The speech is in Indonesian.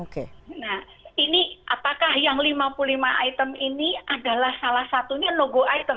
nah ini apakah yang lima puluh lima item ini adalah salah satunya nogo item